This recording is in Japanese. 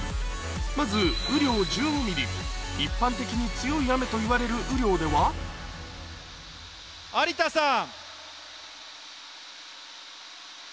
まず雨量１５ｍｍ一般的に強い雨といわれる雨量では堺さん。